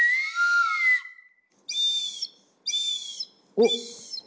おっ。